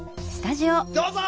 どうぞ！